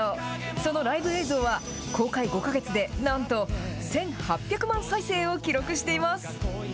そのライブ映像は、公開５か月でなんと１８００万再生を記録しています。